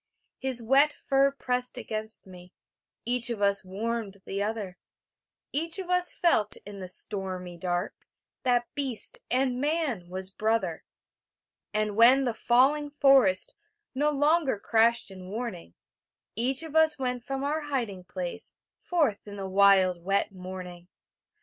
His wet fur pressed against me; Each of us warmed the other; Each of us felt in the stormy dark That beast and man was brother. And when the falling forest No longer crashed in warning, Each of us went from our hiding place Forth in the wild wet morning.